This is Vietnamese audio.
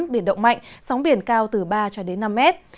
biển động mạnh sóng biển cao từ ba cho đến năm mét